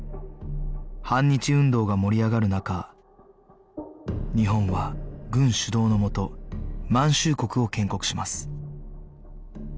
反日運動が盛り上がる中日本は軍主導のもと満州国を建国します